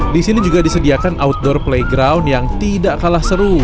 disini juga disediakan outdoor playground yang tidak kalah seru